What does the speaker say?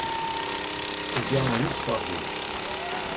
Ik jou in lyts foarbyld.